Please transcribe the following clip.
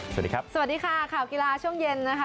สวัสดีครับสวัสดีค่ะข่าวกีฬาช่วงเย็นนะคะ